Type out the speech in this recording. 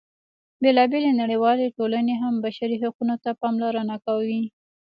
بېلا بېلې نړیوالې ټولنې هم بشري حقونو ته پاملرنه کوي.